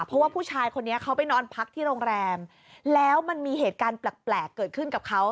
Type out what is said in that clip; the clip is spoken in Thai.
เพราะว่าผู้ชายคนนี้เขาไปนอนพักที่โรงแรมแล้วมันมีเหตุการณ์แปลกเกิดขึ้นกับเขา